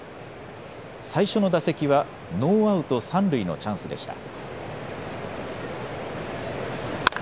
最初の打席はノーアウト三塁のチャンスでした。